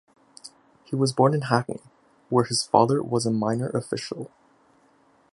He was born in Hackney, where his father was a minor official.